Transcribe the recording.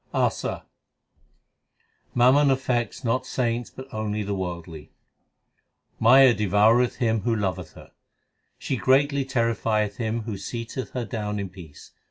ASA Mammon affects not saints but only the worldly : Maya devoureth him who loveth her ; She greatly terrifieth him who seateth her down in peace.